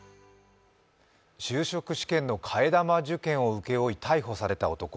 就職試験の替え玉受験を請け負い逮捕された男。